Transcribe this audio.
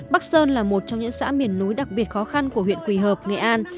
bắc sơn là một trong những xã miền núi đặc biệt khó khăn của huyện quỳ hợp nghệ an